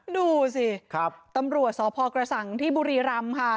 ดูสิครับตำรวจสพกระสั่งที่บุรีรัมฯค่ะ